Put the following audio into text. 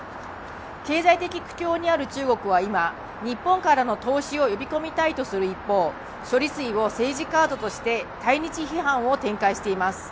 経済的苦境にある中国は今、日本からの投資を呼び込みたいとする一方、処理水を政治カードとして対日批判を展開しています。